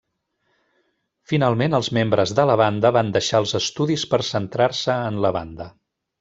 Finalment, els membres de la banda van deixar els estudis per centrar-se en la banda.